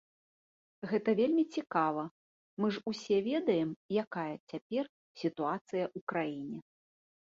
Гэта вельмі цікава, мы ж усе ведаем, якая цяпер сітуацыя ў краіне.